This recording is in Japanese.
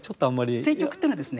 政局っていうのはですね